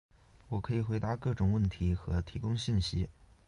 我可以回答各种问题和提供信息。